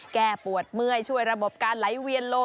แก้ปวดเมื่อยช่วยระบบการไหลเวียนโล